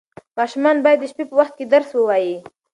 ماشومان باید د شپې په وخت کې درس ووایي.